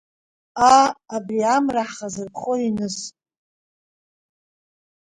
Аа, абри амра ҳхазырԥхо иныс…